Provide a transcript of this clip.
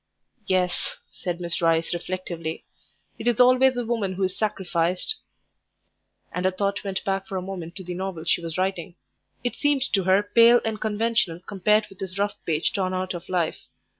"Yes," said Miss Rice reflectively, "it is always the woman who is sacrificed." And her thought went back for a moment to the novel she was writing. It seemed to her pale and conventional compared with this rough page torn out of life.